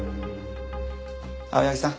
青柳さん。